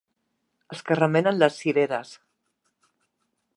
Els que remenen les cireres.